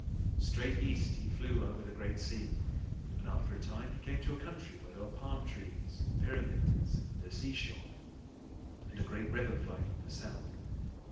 Straight east he flew over the great sea, and after a time he came to a country where there were palm trees and pyramids and a great river flowing from the south.